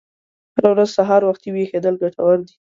هره ورځ سهار وختي ویښیدل ګټور دي.